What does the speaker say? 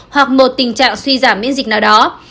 hoặc một tình trạng suy giảm miễn dịch nào đó